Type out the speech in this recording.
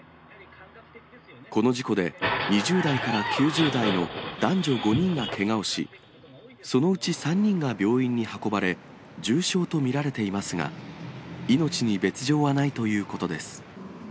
この事故で、２０代から９０代の男女５人がけがをし、そのうち３人が病院に運ばれ、重傷と見られていますが、命に別状はないということです。